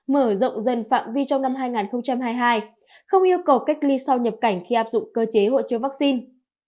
mở rộng dần phạm vi trong năm hai nghìn hai mươi hai không yêu cầu cách ly sau nhập cảnh khi áp dụng cơ chế hộ chiếu vaccine